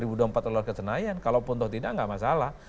udah empat lelah kesenayan kalau pun toh tidak enggak masalah